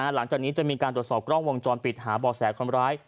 หลังจากนี้จะมีการตรวจสอบกล้องวงจรปิดหาบ่อแสคนร้าย